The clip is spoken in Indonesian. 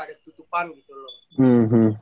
ada tutupan gitu loh